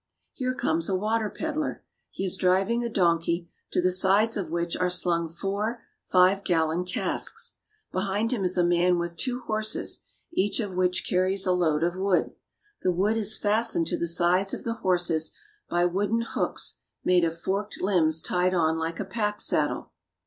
Here comes a water peddler. He is driving a donkey, to the sides of which are slung four five gallon casks. Behind him is a man with two horses, each of which carries a load of wood. The wood is fastened to the sides of the ALONG THE COAST. 297 horses by wooden hooks made of forked limbs tied on Hke a pack saddle.